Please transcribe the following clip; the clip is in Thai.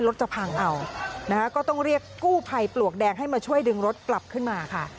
แล้วต้องเรียกกู้ไผ่ปลวกแดงให้มาช่วยดึงรถกลับขึ้นมาค่ะ